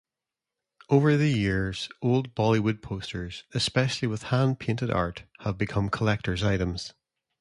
Over the years, old Bollywood posters, especially with hand-painted art, have become collectors items.